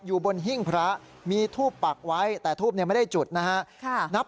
อยู่บนหิ้งพระมีทูบปักไว้แต่ทูปไม่ได้จุดนะฮะ